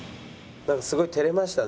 なんかすごい照れましたね